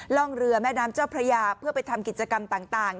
ร่องเรือแม่น้ำเจ้าพระยาเพื่อไปทำกิจกรรมต่าง